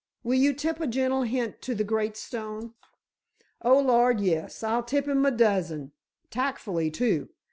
Will you tip a gentle hint to the great Stone?" "Oh, lord, yes—I'll tip him a dozen—tactfully, too.